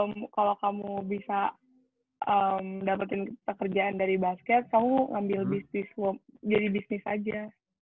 kalau kamu bisa dapetin pekerjaan dari basket kamu ngambil bisnis jadi bisnis aja